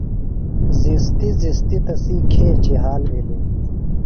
زِستیۡ زِستیۡ تسی کھیچیۡ حال بِھلیۡ۔